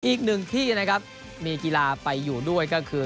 อีกหนึ่งที่นะครับมีกีฬาไปอยู่ด้วยก็คือ